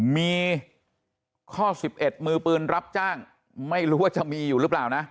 มีข้อ๑๑มือปืนรับจ้างไม่รู้ว่าจะมีอยู่หรือเปล่านะ